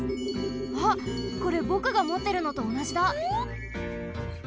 あっこれぼくがもってるのとおなじだ。